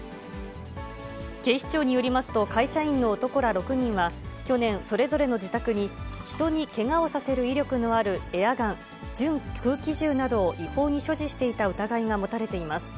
警視庁によりますと、会社員の男ら６人は、去年、それぞれの自宅に、人にけがをさせる威力のあるエアガン・準空気銃などを違法に所持していた疑いが持たれています。